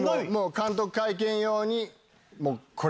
監督会見用に。